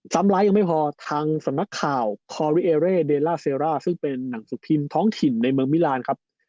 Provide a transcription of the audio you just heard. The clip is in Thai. ซ้ำไลค์กันไม่พอทางสำนักข่าวคอริเอเรดีลาเซราซึ่งเป็นหนังสุขภิมธ์ท้องถิ่นในเมืองมิราณครับ